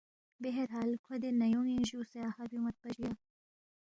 بہرحال کھو دے نَیوینگ جُوکسے اَہا بیُون٘یدپا جُویا